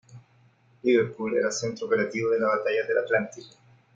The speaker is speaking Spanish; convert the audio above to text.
Liverpool era centro operativo de la batalla del Atlántico.